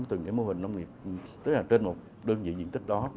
từng cái mô hình nông nghiệp tức là trên một đơn vị diện tích đó